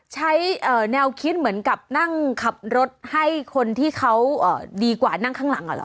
ใช้แนวคิดเหมือนกับนั่งขับรถให้คนที่เขาดีกว่านั่งข้างหลังเหรอ